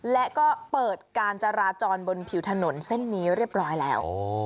และก็เปิดการจราจรบนผิวถนนเส้นนี้เรียบร้อยแล้ว